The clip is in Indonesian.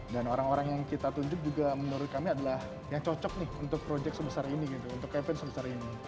dan orang orang yang kita tunjuk juga menurut kami adalah yang cocok nih untuk proyek sebesar ini gitu untuk keven sebesar ini